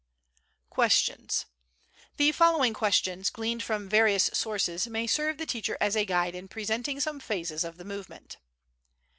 Questions. The following questions, gleaned from various sources, may serve the teacher as a guide in presenting some phases of the movement.